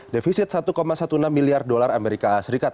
defisit satu enam belas miliar dolar amerika serikat